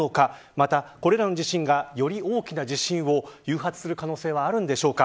また、これらの地震がより大きな地震を誘発する可能性はあるんでしょうか。